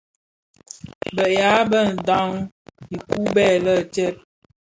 Beya bë ndhaň ukibèè lè tsèn.